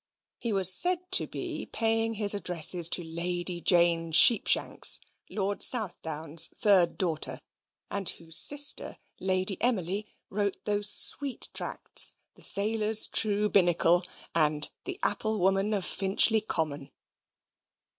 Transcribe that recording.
He was said to be paying his addresses to Lady Jane Sheepshanks, Lord Southdown's third daughter, and whose sister, Lady Emily, wrote those sweet tracts, "The Sailor's True Binnacle," and "The Applewoman of Finchley Common."